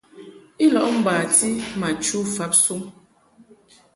I lɔʼ bati ma chu fabsuŋ.